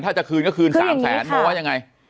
ถ้าจะคืนก็คืน๓แสนโมว่ายังไง